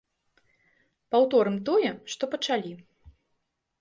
Паўторым тое, што пачалі.